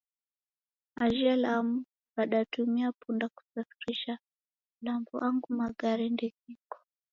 Ajhe Lamu w'adatumia punda kusafirisha vilambo angu magare ndeghiko